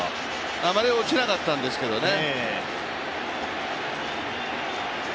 あまり落ちなかったんですけどね。